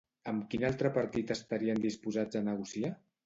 Amb quin altre partit estarien disposats a negociar?